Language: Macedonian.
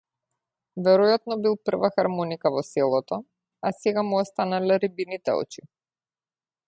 Веројатно бил прва хармоника во селото, а сега му останале рибините очи.